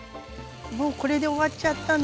もうこれで終わっちゃったの。